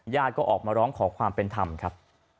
ก็ออกมาร้องขอความเป็นธรรมครับ